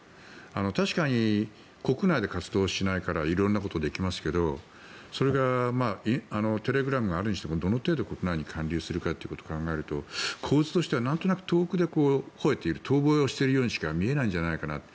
確かに国内で活動をしないから色んなことできますけどそれがテレグラムがあるにしてもどの程度国内に還流するかを考えると構図的には遠くでほえている遠ぼえをしているようにしか見えないんじゃないかと。